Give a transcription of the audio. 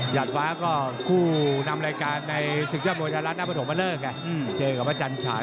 หยัดฟ้าก็คู่นำรายการในศึกยอดมวลชาติรัฐนักบริโภคมาเลิกเนี่ยเจอกับพระจันทราย